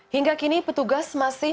hingga kini petugas masih